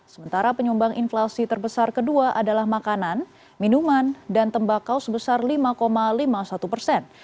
sementara penyumbang inflasi terbesar kedua adalah makanan minuman dan tembakau sebesar lima lima puluh satu persen